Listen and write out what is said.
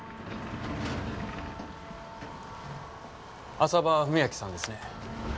浅羽史明さんですね？